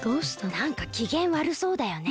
なんかきげんわるそうだよね。